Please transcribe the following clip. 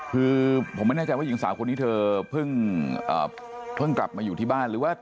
คือผมไม่แน่ใจว่าหญิงสาวคนนี้เธอเพิ่งกลับมาอยู่ที่บ้านหรือว่า